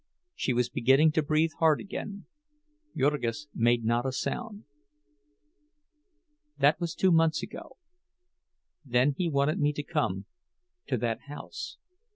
She was beginning to breathe hard again. Jurgis made not a sound. "That was two months ago. Then he wanted me to come—to that house.